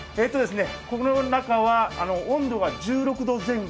この中は温度が１６度前後